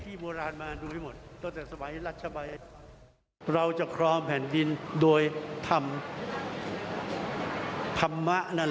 การปรากฏฐาเทิดพระเกียรติโดยดรสุเมตตันติเวชกุลเลขาดิการมูลนิธิชัยพัฒนา